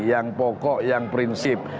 yang pokok yang prinsip